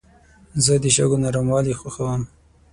زه د شګو نرموالي خوښوم.